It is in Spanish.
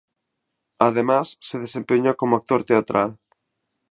Además, se desempeñó como actor teatral.